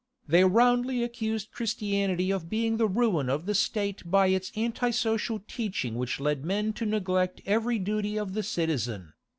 They roundly accused Christianity of being the ruin of the State by its anti social teaching which led men to neglect every duty of the citizen.